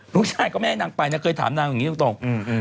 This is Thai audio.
ลูกชายก็ไม่ให้นางไปนะเคยถามนางอย่างนี้ตรง